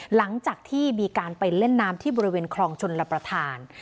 หลังจากที่มีการไปเล่นน้ำที่บริเวณคลองชนรับประทาน